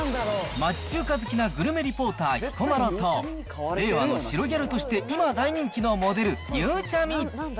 町中華好きなグルメリポーター、彦摩呂と、令和の白ギャルとして今大人気のモデル、ゆうちゃみ。